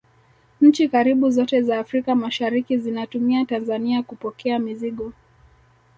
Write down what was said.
nchi karibu zote za africa mashariki zinatumia tanzania kupokea mizigo